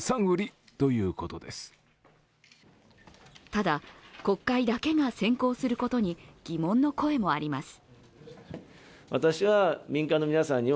ただ、国会だけが先行することに疑問の声もあります。